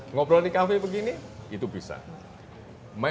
ngobrol di kafe begini itu bisa